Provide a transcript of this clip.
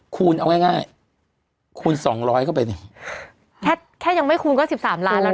คูณเอาง่ายง่ายคูณสองร้อยเข้าไปเนี่ยแค่แค่ยังไม่คูณก็สิบสามล้านแล้วนะ